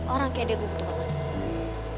orang kayak dia butuh banget